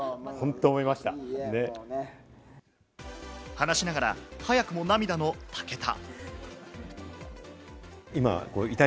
話しながら、早くも涙の武田。